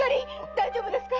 大丈夫ですか！？